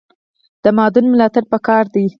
د مادون ملاتړ پکار دی